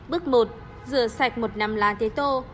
bước một rửa sạch một nằm lá tế tô